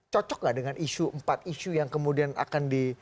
cocok gak dengan isu empat isu yang kemudian akan di